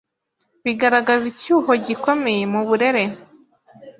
bigaragaza icyuho gikomeye mu burere